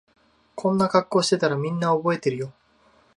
こんな格好してたらみんな覚えてるよ